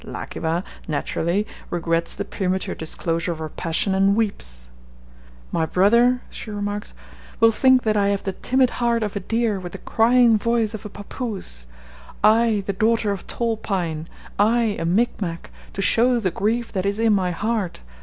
La ki wa, naturally, regrets the premature disclosure of her passion and weeps. 'My brother,' she remarks, 'will think that I have the timid heart of a deer with the crying voice of a papoose. I, the daughter of Tall Pine I a Micmac, to show the grief that is in my heart.